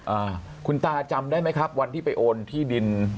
อ่าคุณตาจำได้ไหมครับวันที่ไปโอนที่ดิน